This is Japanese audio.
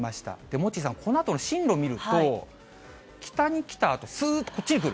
モッチーさん、このあとの進路を見てみると、北に来たあとすーっとこっちに来る。